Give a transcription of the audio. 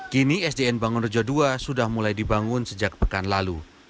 kini sdn bangun rejo ii sudah mulai dibangun sejak pekan lalu